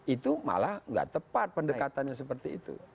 itu malah gak tepat pendekatannya seperti itu